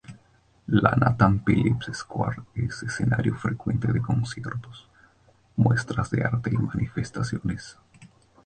La Nathan Phillips Square es escenario frecuente de conciertos, muestras de arte y manifestaciones.